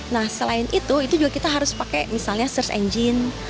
nah selain itu itu juga kita harus pakai misalnya search engine